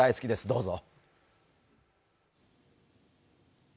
どうぞ。